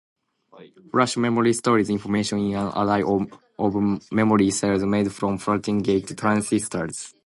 Flash memory stores information in an array of memory cells made from floating-gate transistors.